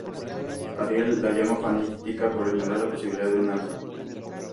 Ariel la llama fanática por ignorar la posibilidad de un Alfa.